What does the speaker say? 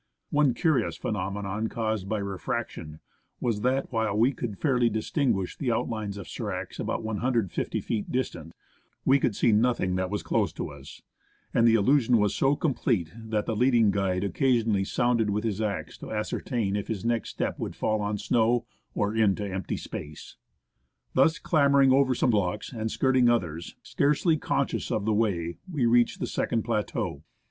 One curious phenomenon caused by refraction was that while we could fairly distinguish the outlines of scracs about 150 feet distant, we could see nothing that was close to us ; and the illusion was so complete that the leading guide occasionally sounded with his axe to ascertain if his next step would fall on the snow or into empty space. Thus, clambering over some blocks, and skirting others, scarcely conscious of the way, we reached the second plateau.